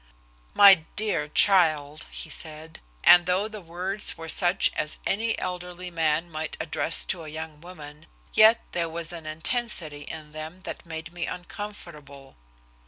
"My dear child," he said, and though the words were such as any elderly man might address to a young woman, yet there was an intensity in them that made me uncomfortable.